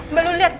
mbak lu liat